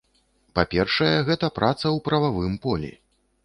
Па-першае, гэта праца ў прававым полі.